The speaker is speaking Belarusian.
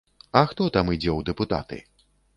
А хто там ідзе ў дэпутаты?